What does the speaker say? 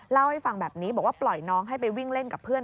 เล่าให้ฟังแบบนี้บอกว่าปล่อยน้องให้ไปวิ่งเล่นกับเพื่อน